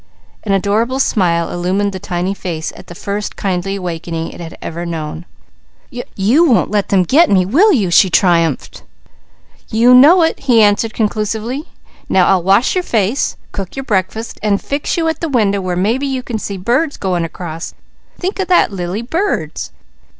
An adorable smile illumined the tiny face at the first kindly awakening it ever had known. "You won't let them 'get' me, will you?" she triumphed. "You know it!" he answered conclusively. "Now I'll wash your face, cook your breakfast, and fix you at the window where maybe you can see birds going across. Think of that, Lily! Birds!"